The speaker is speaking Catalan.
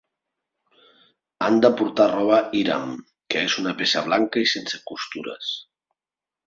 Han de portar roba Ihram, que es una peça blanca i sense costures.